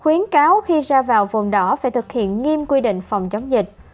khuyến cáo khi ra vào vùng đỏ phải thực hiện nghiêm quy định phòng chống dịch